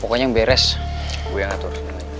pokoknya yang beres gue yang ngatur